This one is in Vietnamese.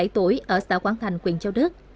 một mươi bảy tuổi ở xã quảng thành quyền châu đức